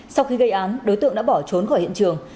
sau khi gây án đối tượng đã bỏ trốn khỏi hiện trường